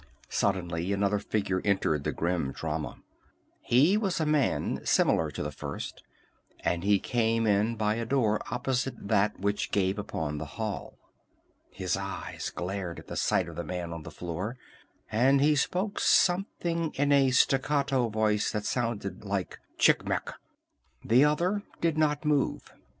Suddenly another figure entered the grim drama. He was a man similar to the first, and he came in by a door opposite that which gave upon the hall. His eyes glared at the sight of the man on the floor, and he spoke something in a staccato voice that sounded like "Chicmec!" The other did not move.